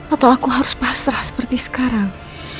atau aku harus pasrah seperti sekarang